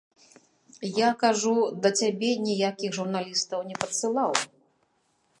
Я, кажу, да цябе ніякіх журналістаў не падсылаў.